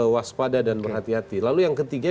waspada dan berhati hati lalu yang ketiga